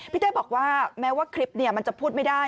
เต้ยบอกว่าแม้ว่าคลิปมันจะพูดไม่ได้